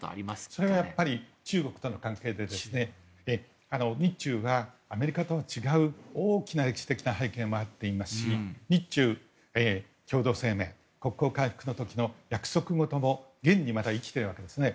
それはやっぱり中国との関係で日中がアメリカとは違う大きな歴史的な背景もありますし日中共同声明国交回復の時の約束事も現に生きているわけですね。